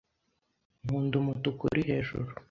Nkunda umutuku uri hejuru.